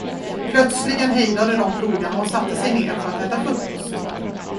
Plötsligen hejdade de plogarna och satte sig ner för att äta frukost.